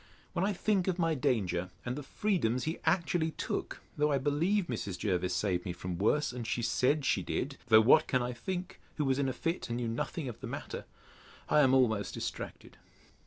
When I think of my danger, and the freedoms he actually took, though I believe Mrs. Jervis saved me from worse, and she said she did, (though what can I think, who was in a fit, and knew nothing of the matter?) I am almost distracted.